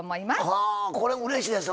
はこれもうれしいです。